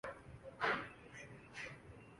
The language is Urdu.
اوربے بسی بھی جو پھیل رہی ہیں۔